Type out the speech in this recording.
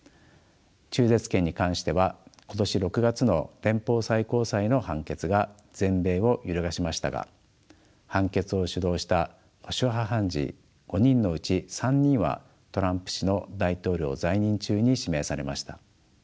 中絶権に関しては今年６月の連邦最高裁の判決が全米を揺るがしましたが判決を主導した保守派判事５人のうち３人はトランプ氏の大統領在任中に指名されました。